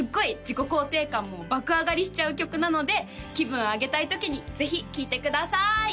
自己肯定感も爆上がりしちゃう曲なので気分上げたい時にぜひ聴いてください！